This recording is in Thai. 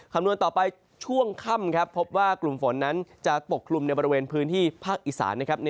คำนวณต่อไปช่วงค่ำครับพบว่ากลุ่มฝนนั้นจะปกคลุมในบริเวณพื้นที่ภาคอีสานนะครับ